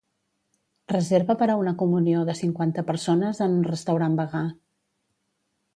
Reserva per a una comunió de cinquanta persones en un restaurant vegà.